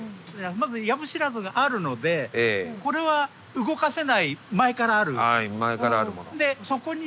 まず藪知らずがあるのでこれは動かせない前からある。